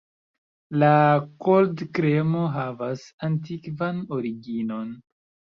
La koldkremo havas antikvan originon.